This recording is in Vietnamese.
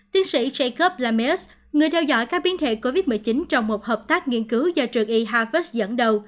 tiến sĩ jacob lameus người theo dõi các biến thể covid một mươi chín trong một hợp tác nghiên cứu do trường y harvard dẫn đầu